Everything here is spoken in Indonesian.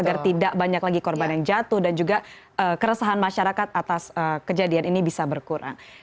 agar tidak banyak lagi korban yang jatuh dan juga keresahan masyarakat atas kejadian ini bisa berkurang